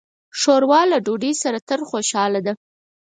ښوروا له ډوډۍ سره تل خوشاله ده.